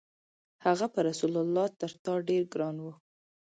هغه پر رسول الله تر تا ډېر ګران و.